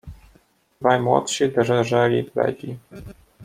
"Dwaj młodsi drżeli bledzi."